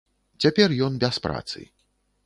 Цяпер ён без працы.